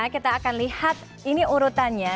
kita akan lihat ini urutannya